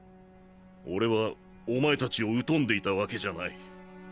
俺はおまえ達を疎んでいたわけじゃない。